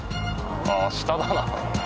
ああ下だな。